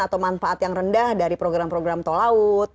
atau manfaat yang rendah dari program program tol laut